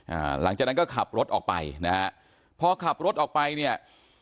หลังจากนั้นก็ขับรถออกไปนะฮะพอขับรถออกไปเนี่ย